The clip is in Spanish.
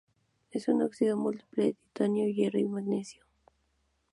Es un óxido múltiple de titanio, hierro y magnesio.